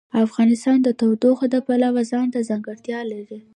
افغانستان د تودوخه د پلوه ځانته ځانګړتیا لري.